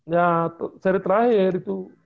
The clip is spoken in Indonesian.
ya seri terakhir itu